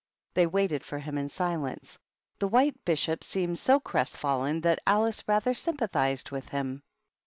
They waited for him in silence; the White Bishop seemed so crestfallen that Alice rather sympathized with him.